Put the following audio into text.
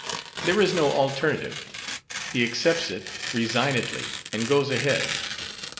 There is no alternative. He accepts it resignedly and goes ahead.